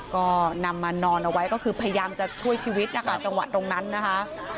ก็นำมานอนเอาไว้ก็คือพยายามจะช่วยชีวิตนะคะจังหวะตรงนั้นนะคะ